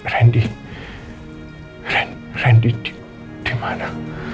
randy randy randy di mana